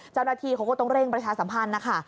เจ้าหน้าที่เขาก็ต้องเร่งประชาสัมพันธ์นะคะ